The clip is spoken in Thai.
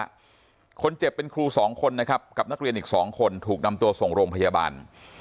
คนเจ็บเป็นครูสองคนนะครับกับนักเรียนอีกสองคนถูกนำตัวส่งโรงพยาบาล